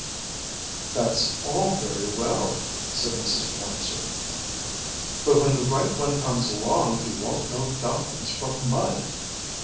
"That's all very well," said Mrs. Wormser. "But when the right one comes along he won't know dumplings from mud."